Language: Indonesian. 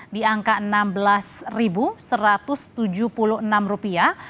di angka enam belas satu ratus tujuh puluh enam rupiah